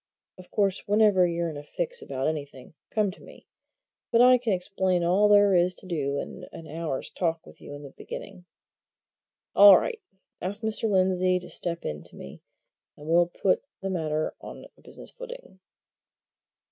Of course, whenever you're in a fix about anything, come to me but I can explain all there is to do in an hour's talk with you at the beginning. All right! ask Mr. Lindsey to step in to me, and we'll put the matter on a business footing."